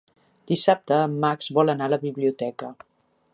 Dissabte en Max vol anar a la biblioteca.